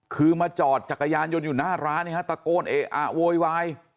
คือมาจอดจักรยานยนต์อยู่หน้าร้านเนี่ยฮะตะโกนเอะอะโวยวาย